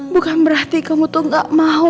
bukan berarti kamu tuh gak mau